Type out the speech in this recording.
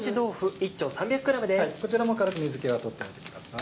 こちらも軽く水気は取っておいてください。